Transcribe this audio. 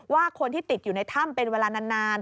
ว่าคนที่ติดอยู่ในถ้ำเป็นเวลานาน